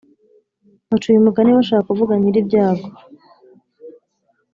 Baca uyu mugani bashaka kuvuga nyiribyago